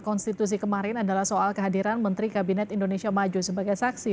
konstitusi kemarin adalah soal kehadiran menteri kabinet indonesia maju sebagai saksi